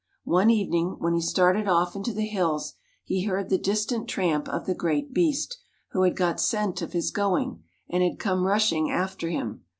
One evening, when he started off into the hills, he heard the distant tramp of the great beast, who had got scent of his going, and had come rushing after him.